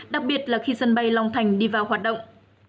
đặc biệt là khi sân bay long thành đi vào hoạt động